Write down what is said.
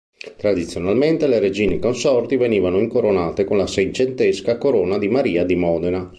Tradizionalmente le regine consorti venivano incoronate con la seicentesca corona di Maria di Modena.